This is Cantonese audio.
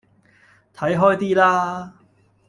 睇開啲啦